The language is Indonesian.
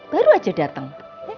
baru aja datang